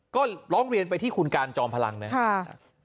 ก็ร้องเรียนไปที่คุณการจอมพลังนะครับ